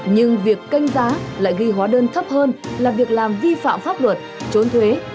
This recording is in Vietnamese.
nhưng việc canh giá lại ghi hóa đơn thấp hơn là việc làm vi phạm pháp luật trốn thuế